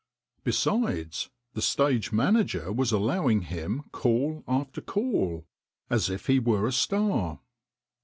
Besides, the stage manager was allowing him call after call, as if he were a star.